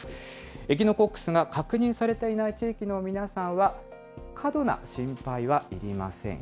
エキノコックスが確認されていない地域の皆さんは、過度な心配はいりません。